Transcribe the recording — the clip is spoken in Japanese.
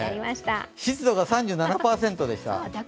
湿度が３７％でした。